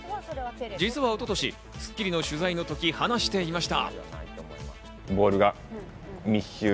実は一昨年『スッキリ』の取材の時、話していました。